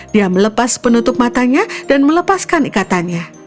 dia melepas penutup matanya dan melepaskan ikatannya